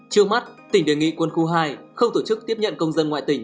trước mắt tỉnh đề nghị quân khu hai không tổ chức tiếp nhận công dân ngoại tỉnh